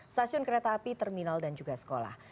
stasiun kereta api terminal dan juga sekolah